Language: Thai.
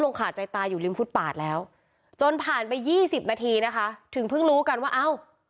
ขาดใจตายอยู่ริมฟุตปาดแล้วจนผ่านไป๒๐นาทีนะคะถึงเพิ่งรู้กันว่าเอ้า